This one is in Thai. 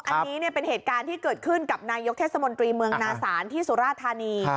อันนี้เป็นเหตุการณ์ที่เกิดขึ้นกับนายกเทศมนตรีเมืองนาศาลที่สุราธานี